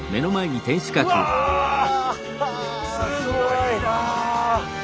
すごいなあ！